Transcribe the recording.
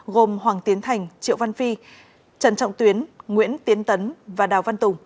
gồm hoàng tiến thành triệu văn phi trần trọng tuyến nguyễn tiến tấn và đào văn tùng